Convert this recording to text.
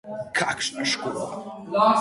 Kakšna škoda!